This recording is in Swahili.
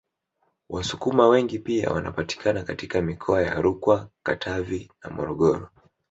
Wasukuma wengi pia wanapatikana katika mikoa ya Rukwa Katavi na Morogoro